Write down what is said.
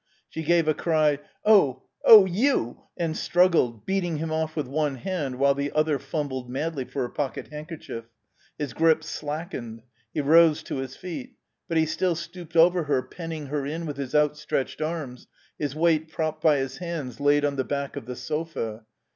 She gave a cry: "Oh oh, you " and struggled, beating him off with one hand while the other fumbled madly for her pocket handkerchief. His grip slackened. He rose to his feet. But he still stooped over her, penning her in with his outstretched arms, his weight propped by his hands laid on the back of the sofa.